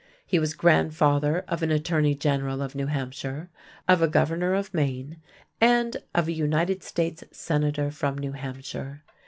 He was grandfather of an attorney general of New Hampshire, of a governor of Maine, and of a United States Senator from New Hampshire.